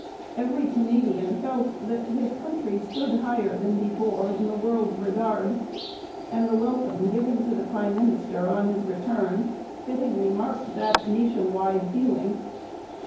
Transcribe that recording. Every Canadian felt that his country stood higher than before in the world's regard, and the welcome given to the prime minister on his return fittingly marked that nation wide feeling.